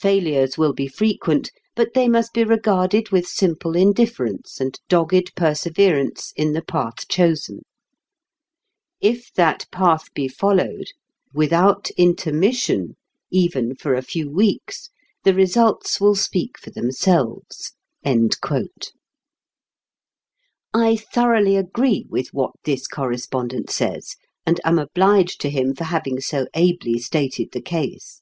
Failures will be frequent, but they must be regarded with simple indifference and dogged perseverance in the path chosen. If that path be followed without intermission even for a few weeks the results will speak for themselves." I thoroughly agree with what this correspondent says, and am obliged to him for having so ably stated the case.